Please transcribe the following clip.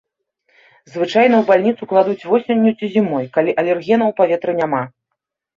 Звычайна ў бальніцу кладуць восенню ці зімой, калі алергенаў у паветры няма.